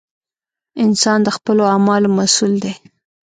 • انسان د خپلو اعمالو مسؤل دی.